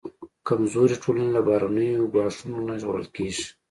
کمزورې ټولنې له بهرنیو ګواښونو نه ژغورل کېږي.